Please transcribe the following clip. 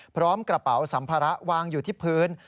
พร้อมกระเป๋าสัมภาระวางอยู่ที่พื้น